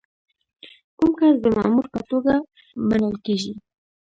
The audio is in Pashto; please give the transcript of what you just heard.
کوم کس د مامور په توګه منل کیږي؟